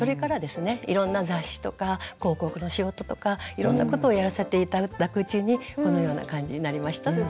いろんな雑誌とか広告の仕事とかいろんなことをやらせて頂くうちにこのような感じになりましたという。